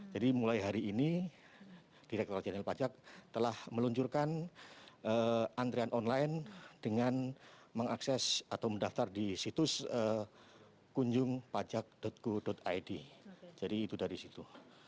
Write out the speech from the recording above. jadi mulai hari ini direktur janil pajak telah meluncurkan antrian online dengan mengakses atau mendaftar di situs kunjungpajak go id jadi itu dari situ